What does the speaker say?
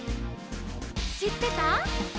「しってた？」